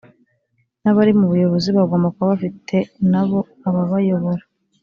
n abari mu buyobozi bagomba kuba bafite nabo ababayobora